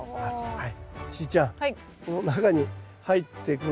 はい。